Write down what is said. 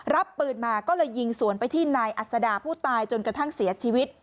รับปืนมาก็เลยยิงสวนไปที่นายอัศดาผู้ตายจนกระทั่งเสียชีวิต